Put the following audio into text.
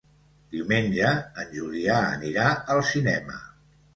Diumenge en Julià anirà al cinema.